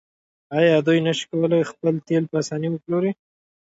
آیا دوی نشي کولی خپل تیل په اسانۍ وپلوري؟